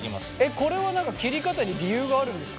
これは切り方に理由があるんですか？